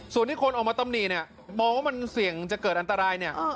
ส่วนที่คนออกมาตำหนี่มองว่าเปลี่ยนจะเกิดอันตราย